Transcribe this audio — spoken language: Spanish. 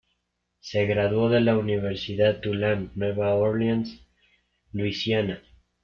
Se graduó de la Universidad Tulane, Nueva Orleans, Louisiana.